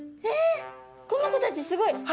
えっこの子たちすごい。